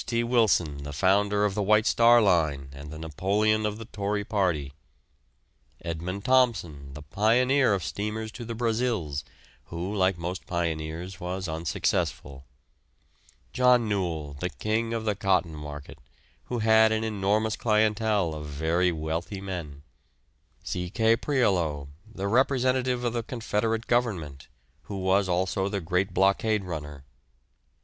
T. Wilson, the founder of the White Star Line and the Napoleon of the Tory party; Edmund Thomson, the pioneer of steamers to the Brazils, who, like most pioneers, was unsuccessful; John Newall, the "king" of the cotton market, who had an enormous clientele of very wealthy men; C. K. Prioleau, the representative of the Confederate Government, who was also the great blockade runner.